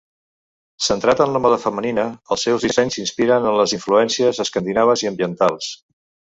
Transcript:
Centrat en la moda femenina, els seus dissenys s'inspiren en les influències escandinaves i ambientals.